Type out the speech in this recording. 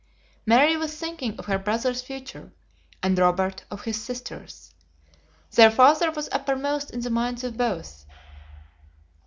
Mary was thinking of her brother's future, and Robert of his sister's. Their father was uppermost in the minds of both.